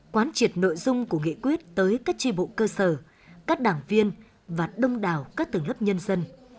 quán triệt nội dung của nghị quyết tới các tri bộ cơ sở các đảng viên và đông đảo các tầng lớp nhân dân